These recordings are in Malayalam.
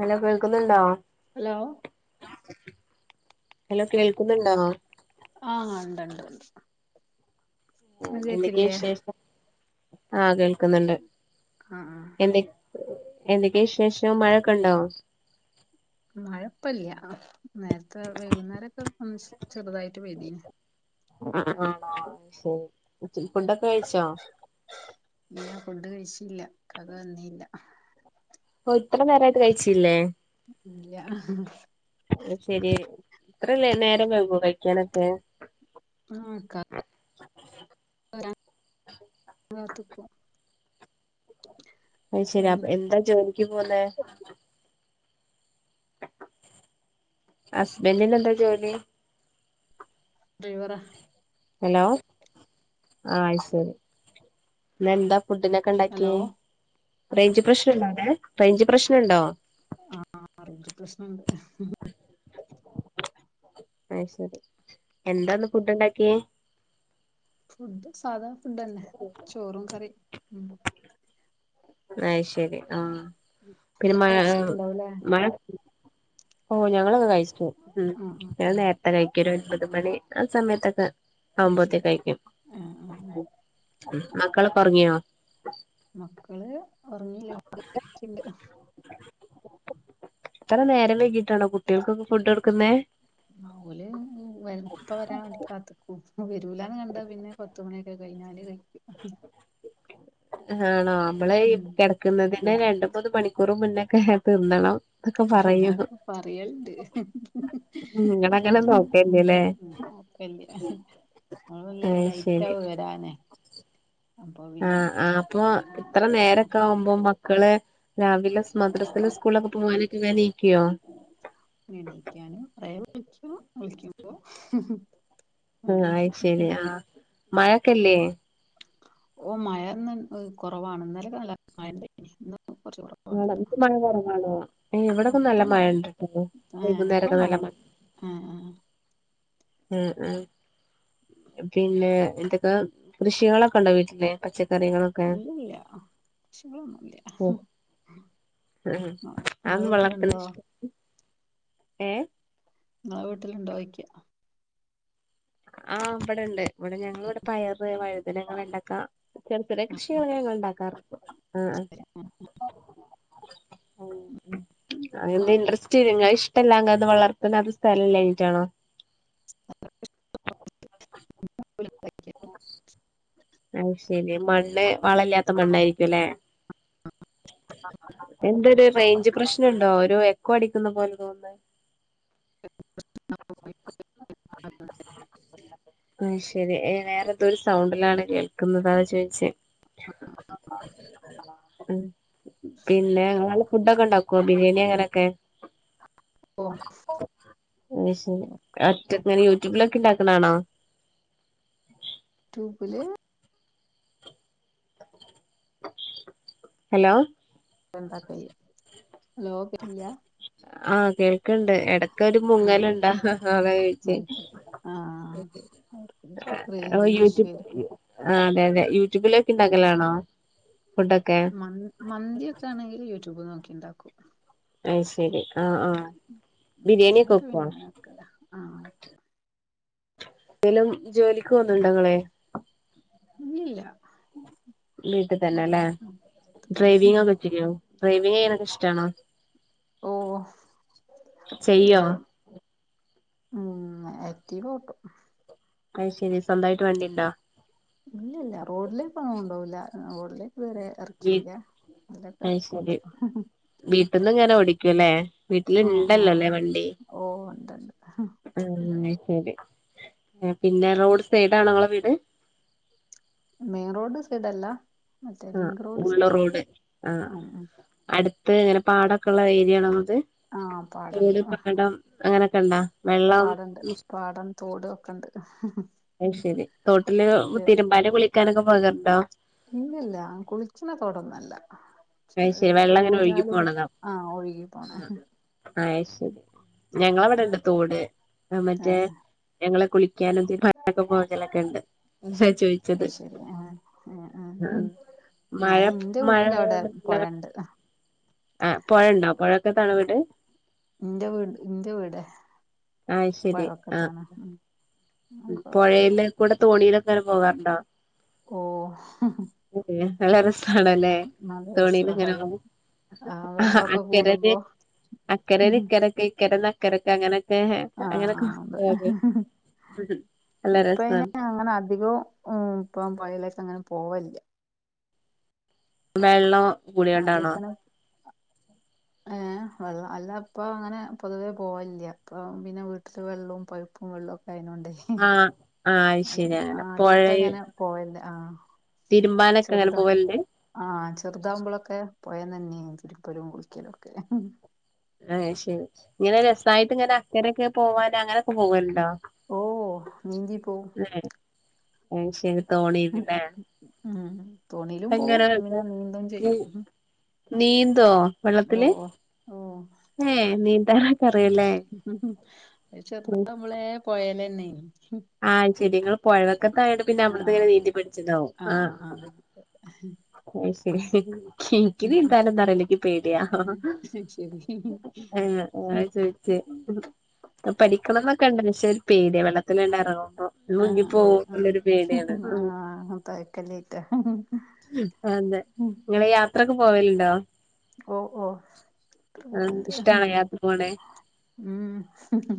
ഹലോ കേൾക്ക്ന്നുണ്ടോ ഹലോ ഹലോ കേൾക്ക്ന്നുണ്ടോ ആഹ് ഇണ്ട് ണ്ട് എന്തൊക്കെ വിശേഷം ആ കേൾക്കുന്നുണ്ട് ആ ആ എന്തെ എന്തെക്ക്യ വിശേഷം മഴാക്കെണ്ടോ മഴപ്പല്ല്യ. നേരത്തെ വൈകുന്നേരൊക്കെ ഒന്ന് ചെറുതായിട്ട് പെയ്തീനി [unintelligible] ശെരി ഫുഡൊക്കെ കഴിച്ചോ ഇല്ല ഫുഡ് കഴിച്ചീല്ല ഇക്കാക്ക വന്നീല്ല ഓ ഇത്ര നേരായിട്ട് കയ്ച്ചീല്ലേ ഇല്ല്യ ഹ ഹ അത്ശെരി ഇത്രേ ലേ നേരം വെയ്കൊ കഴിക്കാനൊക്കെ ആഹ് ക്ക [unintelligible] കാത്ത്കും അയ് ശെരി അപ് എന്താ ജോലിക്ക് പോന്നേ അശ്ബൻഡ്നെന്താ ജോലി ഡ്രൈവറാ ഹലോ ആ അയ്ശെരി ഇന്നെന്താ ഫുഡിന് ഹലോ കണ്ടാക്ക്യേ. റേഞ്ച് പ്രശ്നണ്ടോവിടെ റേഞ്ച് പ്രശ്നംണ്ടോ ആഹ് റേഞ്ച് പ്രശ്നണ്ടീടെ അയ് ശെരി എന്താന്ന് ഫുഡ് ഇണ്ടാക്ക്യേ ഫുഡ് സാദാ ഫുഡന്നെ ചോറും കറിയും ഉം അത് ശരി ആഹ് പിന്നെ ഇങ്ങള് മഴ കഴിച്ചിട്ടുണ്ടാവുല്ലേ മഴ ഓ ഞങ്ങളൊക്കെ കഴിച്ചിക് ആഹ് ആഹ് ഞാൻ ആഹ് നേര [unintelligible] ഒരു ഒൻപത് മണി ആഹ് സമയത്തൊക്കെ അയ്ശരി ആവുമ്പോത്തേക്ക് കഴിക്കും ആഹ് ആഹ് മക്കളൊക്കെ ഉറങ്ങിയോ മക്കള് ഉറങ്ങില്ല [unintelligible] ഇത്ര നേരം വൈകിട്ട് ആണോ കുട്ടികൾക്കൊക്കെ ഫുഡ് കൊടുക്കുന്നേ ഓല് ഇപ്പ വരാൻ വേണ്ടി കാത്തി ഉപ്പ വരൂലാന്ന് കണ്ട പിന്നെ പത്തുമണിയൊക്കെ കഴിഞ്ഞാല് കഴിക്കും ആണോ നമ്മളെ ഉം കിട ഇന്ന് തന്നെ രണ്ട് മൂന്ന് മണിക്കൂർ മുന്നേക്ക അങ്ങനൊക്കെ പറയലുണ്ട് നിങ്ങളങ്ങനെ അഹ് അഹ് അഹ് നോക്കല്ലേല്ലേ ഉം നോക്കലില്ല ഞങ്ങൾ അത് ലേറ്റ് ശരി ആവും വരാന് ആഹ് ആഹ് അപ്പൊ ഇത്ര നേരൊക്കെ ആവുമ്പോ മക്കള് രാവിലെ മദ്രസൽ സ്കൂളൊക്കെ പോവാനൊക്കെ വേ എണീക്കിയോ എണീക്കാനും കൊറേ [unintelligible] വിളിക്കുമ്പോ ആഹ് അയ് ശരി ആഹ് മഴക്കല്ലേ ഓഹ് മഴ ഇന്ന് കുറവാണ് ഇന്നലൊക്കെ നല്ല മഴ ഉണ്ടായിനി ഇന്ന് കുറച്ചു കുറവാണ് [unintelligible] മഴ കുറവാണോ ആ ഇവിടൊക്കെ നല്ല ഇപ്പം മഴ ഉണ്ടട്ടോ വൈകുന്നേരൊക്കെ നല്ല മഴ ആഹ് ആ ആ ഉം ഉം പിന്നെ എന്തൊക്കെ കൃഷികളൊക്കെ ഉണ്ടോ വീട്ടില് പച്ചക്കറികളും ഇല്ലില്ല പ്രശ്നങ്ങളൊന്നുമില്ല ആഹ് [unintelligible] ഏഹ് ഇങ്ങളെ വീട്ടിലുണ്ടോയിക്ക ആഹ് ഇവിടെ ഉണ്ട് ഇവിടെ ഞങ്ങൾ ഇവിടെ പയറ് വഴുതനങ്ങ വെണ്ടക്ക ചെറിയ ചെറിയ ആ കൃഷികൾ ഉണ്ടാക്കാറ് ആഹ് ശരി അത് ഇൻട്രസ്റ്റ് ഇങ്ങ ഇഷ്ടല്ലാങ്ക അത് വളർത്തണത് സ്ഥലം ഇല്ലാഞ്ഞിട്ടാണോ അയി ശരി മണ്ണ് വളം ഇല്ലാത്ത മണ്ണായിരിക്കുംല്ലെ എന്തൊരു റേഞ്ച് പ്രശ്നമുണ്ടോ ഒരു എക്കോ അടിക്കുന്ന പോലെ തോന്നുന്നത് [unintelligible] ആഹ് ശെരി വേറെന്തോരു സൗണ്ടിലാണ് കേൾക്കുന്നത് അതാ ചോദിച്ചേ ഉം പിന്നെ ഇങ്ങള് ഫുഡൊക്കെ ഉണ്ടാക്കോ ബിരിയാണി അങ്ങനെയൊക്കെ ഓഹ് അയ് ശരി ഒറ്റ ഇങ്ങനെ യൂട്യൂബിലൊക്കെ ഇണ്ടാക്ക്ണാണോ യൂട്യൂബില് ഹലോ [unintelligible] ആഹ് കേൾക്കണ്ട് ഇടക്കൊരു ആഹ് മുങ്ങലുണ്ട് അതാ ചോദിച്ചേ അത് ശരി ആഹ് റേഞ്ചിന്റെ ഇഷ്യൂ യൂട്യൂബ് ആഹ് അതെ അതെ യൂട്യൂബില് മന്തി ഒക്കെ ആണെങ്കിൽ യൂട്യൂബ് നോക്കി ഉണ്ടാക്കും അയി ശരി ആഹ് ആഹ് ബിരിയാണി ബിരിയാണിയൊക്കെ ഒക്കെ വെക്കോ പിന്നെ അങ്ങനെ ആഹ് എന്തേലും ജോലിക്ക് പോകുന്നുണ്ടോ ഇങ്ങള് ഇല്ലില്ല വീട്ടിൽ തന്നെ അല്ലെ തന്നെ ഡ്രൈവിംഗ് ഒക്കെ ചെയ്യോ ഡ്രൈവിംഗ് ചെയ്യാനൊക്കെ ഇഷ്ടാണോ ഓഹ് ചെയ്യോ അത് ഉം ആക്‌ടീവോട്ടും അത് ശരി സ്വന്തായിട്ട് വണ്ടി ഇണ്ടോ? ഇല്ലില്ലാ റോഡിലേക്ക് ഒന്നും കൊണ്ടോവില്ല റോഡിലേക്ക് ഇത് വരെ വീ എറക്കിയില്ല ഇവിടേക്ക ഓട്ടും. വീട്ടിന്നിങ്ങനെ ഓടിക്കൂല്ലേ വീട്ടില് ആഹ് ഇണ്ടല്ലോ ആഹ് അല്ലെ വണ്ടി? ഓഹ് ഉണ്ട്ണ്ട് ആഹ് അത് ശരി. പിന്നെ റോഡ് സൈഡാണോ നിങ്ങള് വീട് മെയിൻറോഡ് സൈഡ് അല്ലാ. ആഹ് ഉള്ള്റോഡ് ആഹ് ഉം ഉം അടു അങ്ങനെ പാടൊക്കെ ഉള്ള ഏരിയാണത്. ആഹ് പാടണ്ട് ഏതു പാടം അങ്ങനെയൊക്കെ ഉണ്ടാ? പാടെണ്ട് പാടം തോട് ഒക്കെ എണ്ട്. അത് ശെരി തോട്ടില് തിരുമ്പാന് കുളിക്കാനൊക്കെ പോകാറുണ്ടോ? ഇല്ലില്ല കുളിച്ചണത്തോടൊന്നുമല്ല. അയ് ശരി വെള്ളം ഇങ്ങനെ ഒഴുകി ഊജല് പോണതാ ആഹ് ഒഴുകി പോണ അയ് ശെരി ഞങ്ങളവിടെണ്ട് തോട് മറ്റേ ഏഹ് ഞങ്ങള് കുളിക്കാനും തിരു പണ്ടൊക്കെ പോചലൊക്കെണ്ട് മുൻപേ ചോദിച്ചത്. അയ്ശരി ആഹ് ആഹ് ആഹ് മഴ മഴയായോണ്ട് പൊഴെണ്ട് ആഹ് പൊഴെണ്ടോ പൊഴവക്കത്താണോ വീട്? ഇന്റെ വീട് ഇന്റെ വീട് ആഹ് പുഴ വക്കത്താണ് ഉം അപ്പൊ പുഴയില് കൂടെ തോണിയിലൊക്കെ ഇങ്ങനെ പോകാറുണ്ടോ? ഓഹ്‌ [unintelligible] നല്ല രസമാണല്ലേ നല്ല തോണിയില് രസാ ഇങ്ങനെ വെള്ളം പോകാൻ. ആഹ് വെള്ളൊക്കെ അക്കരല്. കൂടുമ്പോ അക്കര ഇക്കരൊക്ക ഇക്കരയിന്ന് അക്ക കെടക്കാ അങ്ങനേക്കേ അങ്ങനക്കെ ആഹ് [unintelligible] അതെ ഇപ്പ അങ്ങനെ അധികവും ഉം ഇപ്പം പുഴയിലേക്കു അങ്ങനെ പോവലില്ല. വെള്ളോ ആദ്യോക്കെനെ അഹ് ഏഹ് വെള്ളം അല്ല അപ്പം അങ്ങനെ പൊതുവേ പോവലില്ല അപ്പൊ പിന്നെ [unintelligible] വെള്ളവും പൈപ്പും വെള്ളവും ഒക്കെ ആയ്നോണ്ടെ ആഹ് ആഹ് അത് ശരി അങ്ങനെ പൊഴയും പോയന്ത് ആഹ് തിരുമ്പാനൊക്കെ അങ്ങനെ ചെറുതാ പോവലിണ്ട് ആഹ് ചെറുതാവുമ്പോളൊക്കെ പുഴയുന്ന് നീന്തലും തിരുമ്മലും കുളിക്കലൊക്കെ ആഹ് അത് ശരി ഇങ്ങനെ രസായിട്ട് ഇങ്ങനെ അക്കരക്ക് പോവാനങ്ങനെക്കെ പോവലുണ്ടോ? ഓഹ് നീന്തി പോവും. അത് ശരി തോണിയിലല്ലേ. ഉം തോണിയിലും പോവും ഇങ്ങനെ നീന്തേം ചെയ്യും ഉം നീന്തോ വെള്ളത്തില് ഏഹ് നീന്താനൊ അത് ചെറുതാ നമ്മളേ പൊഴയിലെന്നെ ആഹ് അത് ശരി നിങ്ങള് പുഴവക്കത്തായത് കൊണ്ട് പിന്നെ ആഹ് നമ്മളങ്ങെനെ നീന്തി പടിച്ചതാവും. ആഹ് ആഹ് ഹ് അത് ശരി എനിക്ക് നീന്താനെന്നും അറിയില്ലങ്കി പേടിയാ ആഹ് ശരി ആഹ് അങ്ങനെ ചോയ് ചെ ഇം പഠിക്കണം എന്നൊക്കെ ഉണ്ട് പക്ഷെ പേടിയാ വെള്ളത്തിലണ്ട് എറങ്ങുമ്പോ ആഹ് മുങ്ങിപ്പോകുവോ ആഹ് എന്നുള്ളൊരു പേടിയാണ്. ആഹ് ആഹ് [unintelligible] ല്ലയിട്ടാ അതെ നിങ്ങള് യാത്രയൊക്കെ പോവലുണ്ടോ? ഓ ഓ ഇഷ്ടാണോ [unintelligible] യാത്ര പോണേ ഉം ഹ് ഹ്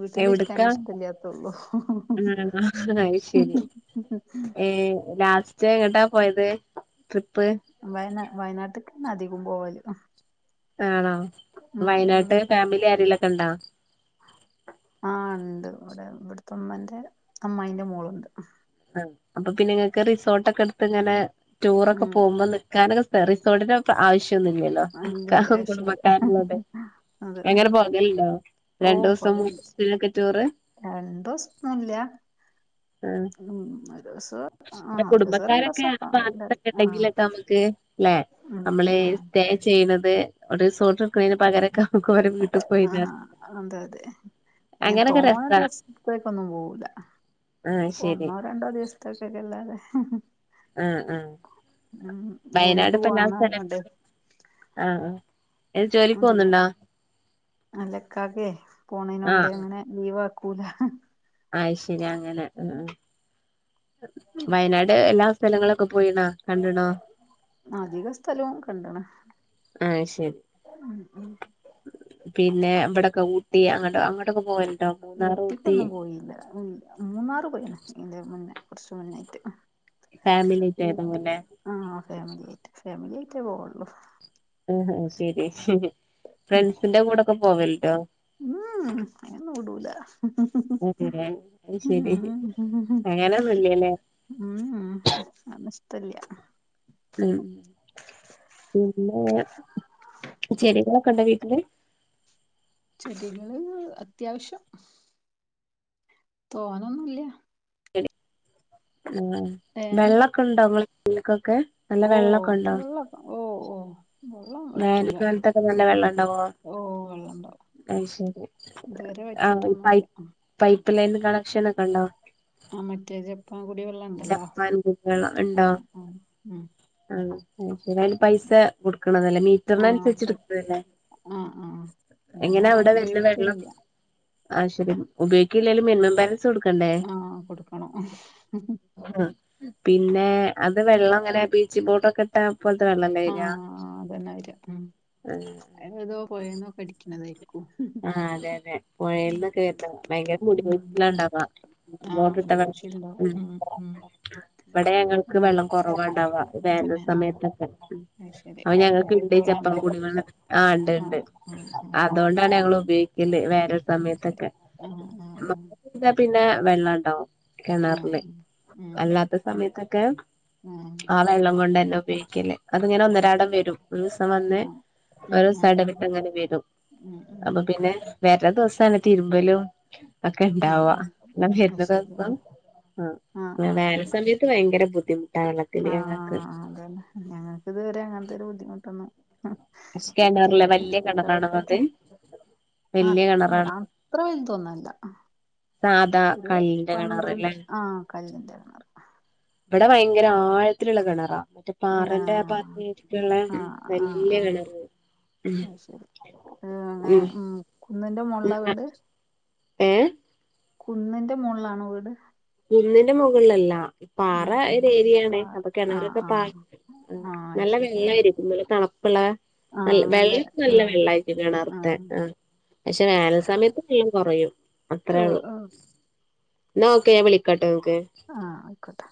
വീട്ടിലിരിക്കാനെ എവിടക്കാ ഇഷ്ടല്ലാത്തൊള്ളൂ. ആ അത്ശരി ഏ ലാസ്. ജ് എങ്ങട്ടാ പോയത് ട്രിപ്പ്? വയനാ വയനാട്ടിക്കന്നെ അതികും പോവല്. ആണോ ഉം ഉം വയനാട്ട് ഫാമിലി ആരെങ്കിലൊക്കെ ഉണ്ടോ? ആ ഉണ്ട് ഇവരെ ഇവിടത്തുമ്മന്റെ അമ്മായിന്റെ മോളുണ്ട്. ആ അപ്പൊ പിന്നെ ഇങ്ങക്ക് റിസോർട്ട് ഒക്കെ ഇട്ത്ത് ഇങ്ങനെ ടൂറൊക്കെ ഉം പോകുമ്പോ നിക്കാ. കാരണം റിസോർട്ടിന്റെ ആവശ്യം ഒന്നുല്ലല്ലോ. അനിയന്റെ ഇക്കാക്കും ആവശ്യല്ല കുടുംബക്കാരുണ്ട് അതെ അങ്ങനെ പോകലുണ്ടോ? രണ്ടുസം [unintelligible] വെക്കാ ചോറ്? രണ്ടുസൊന്നുല്ല. അ. ഉം ഒരുസൊ [unintelligible] കുടുംബക്കാരൊക്കെ അടുത്തൊക്കെ ആഹ് ഉണ്ടെങ്കിലൊക്കെ നമുക്ക്. ലെ ഉം അമ്മള് ഉം സ്റ്റേ ചെയ്യ്ണത് റിസോർട്ട് ഇട്ക്ക്ണിന് പകരെക്ക. ആഹ് ആഹ് അതെ അതെ. ഏ അങ്ങനൊക്കെ തോനേ രസാ ദിവസത്തേക്കൊന്നും പോവൂല്ല ആ ശരി ഒന്നോ രണ്ടോ ദിവസ ഇതൊക്കൊക്കെല്ലാതെ ആ ആ ഉം ജോലിക്ക് പോണോ പോണ്ടേ നിക്ക. ആ ആ. അതില്ല അല്ല ഇക്കാക്ക് പോണതിനോണ്ട് ആഹ് അങ്ങനെ ലീവ് ആക്കൂല. അയ് ശരി അങ്ങനെ വയനാട് എല്ലാം. സ്ഥലങ്ങളൊക്കെ പോയീണോ കണ്ടുണോ? അധിക സ്ഥലവും കണ്ട്ണ്. അത്ശരി. ഉം ഉം പിന്നെ ഇവിടൊക്കെ ഊട്ടി അങ്ങട്ട അങ്ങോട്ടൊക്കെ പോവല്? ഊട്ടിക്കൊന്നും പോയില്ല ഉം. മൂന്നാറ് പോയിണ് ഇതിന്റെ മുന്നേ കുറച്ച് മുന്നായിട്ട് ഫാമിലി ആയിട്ട് ഏതാവുല്ലേ ഊട്ടിയും. ആ ഫാമിലി ആയിട്ട് ഫാമിലി ആയിട്ടേ പോവൊള്ളൂ. ഉം ഹും ശരി ഉം ഫ്രണ്ട്സിന്റെ കൂടെക്ക പോവലുണ്ടോ? ഉം മ് അയിനൊന്നും വുടൂല. ഏഹ് അത് ഉഹ ശരി ഹ ഹും. അങ്ങനൊന്നുല്ലല്ലേ ഉം മ് അതൊന്നും ഇഷ്ടല്ല്യ. ഉമ് പിന്നെ ചെടികളൊക്കെ ഉണ്ടാ വീട്ടില്? ചെടികള് അത്യാവശ്യം. തോനെന്നുല്ല്യ. ശരി ആഹ് ഏ വെള്ളൊക്കെ ഉണ്ടോ നിങ്ങള വിട്ക്കൊക്കെ? ഓഹ് വെള്ളകെ ഓഹ് ഓഹ് വെള്ളം വറ്റൂല വേനൽക്കാലത്തൊക്കെ നല്ല ഉ വെള്ളം ഉണ്ടാവോ ഓ വെള്ളണ്ടാവും. അത് ശരി ഇതുവരെ ആ പൈ വറ്റീട്ടൊന്നൂല്ല. പൈപ്പ് ലൈൻ കണക്ഷൻ ഒക്കെ ഉണ്ടോ? ആ മറ്റേ ജപ്പാൻകൂടിവെള്ളണ്ടല്ലോ ജപ്പാൻ ആഹ് ആഹ് ഉം. ആണ് അത്ശരി [unintelligible] പൈസ കൊട് ക്ക്ണതല്ലേ ആ മീറ്ററിനനുസരിച്ച് അപ്പ ഇട്ക്കല്ലെ. ആ ആ എങ്ങനെ ഞങ്ങളങ്ങനെ അവിടെ വരുന്ന വെളളം ഉപയോഗിക്കലില്ല ആഹ് ശരിയാണ്. ഉപയോഗിക്കില്ലേലും മിനിമം ബാലൻസ് കൊടുക്കണ്ടേ? ആ കൊടുക്കണം പിന്നെ അത് വെള്ളങ്ങനെ ബ്ലീച്ചിംഗ് പൗഡറൊക്കെ ഇട്ട പോലത്തെ വെള്ളല്ലെ വരാ. ആഹ് അതെന്നെ വരാ ഉമ് ആഹ്. അതേതോ പുഴയിന്നോക്കെ അടിക്കണതായിരിക്കും. ആഹ് അതെ അതെ പൊഴേൽന്നൊക്കെ വരുന്ന ഭയങ്കര ഉം ഫോഴ്സിലാ ഉണ്ടവാ. ആ ചുരിദാർ ഉം ഉം ഇവിടെ ഞങ്ങൾക്ക് ആ വെള്ളം കുറവാ ഉണ്ടാവാ വേനൽ തന്നെ ആഹ് സമയത്തൊക്കെ. അത് ശരി അപ്പ ഞങ്ങൾക്ക് അപ്പഴക്ക് ഇണ്ട് ചപ്പം വെള്ളണ്ടോ കുടിവെളളം ആ ഇണ്ട് ഇണ്ട് ആഹ് ആഹ് ആഹ് അതുകൊണ്ട് ഇതാണ് ഞങ്ങൾ ഉപയോഗിക്കൽ വേറൊരു ആഹ് ശരി സമയത്തൊക്കെ ആഹ് ആഹ് മഴ പെയ്താ പിന്നെ വെള്ളണ്ടാവും ആഹ് കെണറ്ല് ആഹ് അല്ലാത്ത സമയത്തൊക്കെ ഉം ആ ഉം വെള്ളം കൊണ്ട് തന്നെ ഉപയോഗിക്കല് അതിങ്ങനെ ആഹ് ഒന്നരാടം വരും ഒരു ദിവസം വന്ന് അത് ഓരോ ശരി ആഹ് ആഹ് ദിവസം ആഹ് ഇടവിട്ട അങ്ങനെ വരും ഉം ഉം അപ്പൊ പിന്നെ വേറെ ദിവസാണ് തിരുമ്പലും ഒക്കെ ആഹ് ഉണ്ടാവാ ആഹ് ഞാൻ അത് വരുന്ന ശരി ദിവസം ആഹ് ആഹ് ആഹ് വേനൽ സമയ ഭയങ്കര ബുദ്ധിമുട്ടാ വള്ളത്തിന് ഞങ്ങൾക്ക് ഞങ്ങൾക്ക് ഇതുവരെ അങ്ങനത്തെ ഒരു ബുദ്ധിമുട്ടൊന്നും കിണറിലെ കിട്ടില്ല വല്യ കിണറാണോ അത് കിട്ടാതിക്കട്ടെ ആഹ് വല്യ കിണറാണ് ആഹ് ഇത്ര വലുതൊന്നല്ല സാധാ ഒരു കല്ലിന്റെ പന്ത്രണ്ട് കിണറല്ലേ ആഹ് കല്ലിൻ്റെടങ്ങേറ് ഇവിടെ ഭയങ്കര ആയ ത്തിലുള്ള കിണറാ മറ്റേ പിന്നെ പാറന്റെ ഭാഗച്ചിട്ടുള്ള ആഹ് ആഹ് വലിയ ആഹ് കിണർ അത് ശരി ഉം അങ്ങനെ ഉം മ്മ് കുന്നിന്റെ മുകളിലാ വീട് ഏഹ് കുന്നിന്റെ മുകളിലാണോ വീട് കുന്നിന്റെ മുകളിലല്ലാ ആ പാറ ആ ഒരു ഏരിയ ആണേ പാറ അപ്പൊ ആ കിണറൊക്കെ ആ പാ ആ നല്ല അയ്ശരി ആ വെളളായിരിക്കും നല്ല തണുപ്പുള്ള ആ നല്ല വെള്ള ആ നല്ല വെള്ളായിട്ട് ആ കെണറ്ത്തെ ആഹ് പക്ഷെ വേനൽ സമയത്ത് വെള്ളം കുറയും ഓ അത്രേള്ളൂ ഓ എന്നാ ഓക്കെ ഞാൻ വിളിക്കാട്ടൊ ഇങ്ങക്ക് ആഹ് ആയിക്കോട്ടെ